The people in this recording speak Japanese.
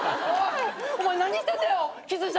おい！